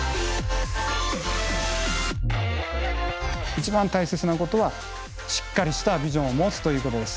一番大切なことはしっかりしたビジョンを持つということです。